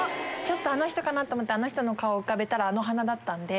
あの人かなと思って顔浮かべたらあの鼻だったんで。